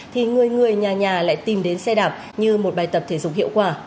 thì người người nhà nhà lại tìm đến xe đạp như một bài tập thể dục hiệu quả